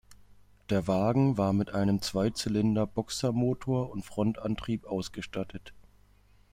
Der Wagen war mit einem Zweizylinder-Boxermotor und Frontantrieb ausgestattet.